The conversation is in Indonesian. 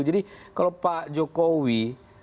jadi kalau pak jokowi